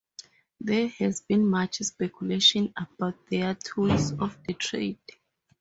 There has been much speculation about their tools of the trade.